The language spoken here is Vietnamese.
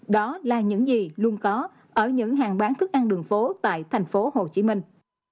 đó là những gì luôn có ở những hàng bán thức ăn đường phố tại thành phố hồ chí minh